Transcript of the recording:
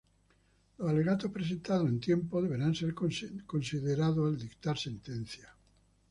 Los alegatos presentados en tiempo deberán ser considerados al dictar sentencia.